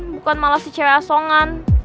bukan malah si cewek asongan